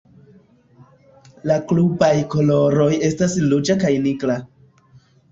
La klubaj koloroj estas ruĝa kaj nigra.